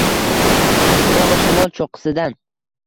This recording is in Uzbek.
Bogʼishamol choʼqqisidan